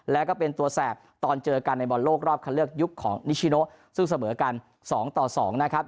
แล้วก็เป็นตัวแสบตอนเจอกันในบอลโลกรอบคันเลือกยุคของนิชิโนซึ่งเสมอกัน๒ต่อ๒นะครับ